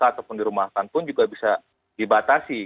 ataupun di rumahkan pun juga bisa dibatasi